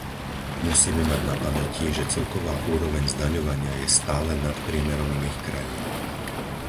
Musíme mať na pamäti, že celková úroveň zdaňovania je stále nad priemerom iných krajín.